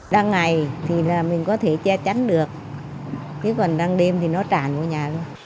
đăng ngày thì mình có thể che chắn được còn đăng đêm thì nó tràn vào nhà